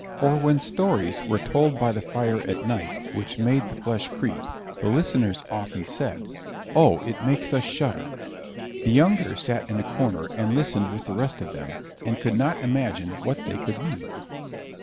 Or when stories were told by the fire at night which made the flesh creep, the listeners often said: "Oh, it makes us shudder!" the younger sat in a corner and listened with the rest of them, and could not imagine what they could mean.